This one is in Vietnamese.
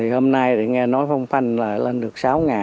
hôm nay thì nghe nói phong phanh là lên được sáu